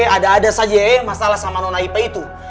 ada ada saja masalah sama nona ipe itu